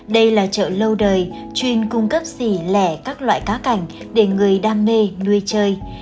đây là chợ lâu đời chuyên cung cấp xỉ lẻ các loại cá cảnh để người đam mê nuôi chơi